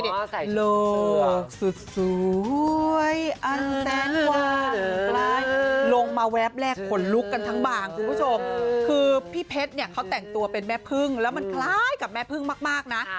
โลกสุดสวยอันแสนกว่าหลงมาแวบแลกขนลุกกันทั้งบ่างคุณผู้ชมคือพี่เพชรเนี่ยเขาแต่งตัวเป็นแม่พึ่งแล้วมันคล้ายกับแม่พึ่งมากนะ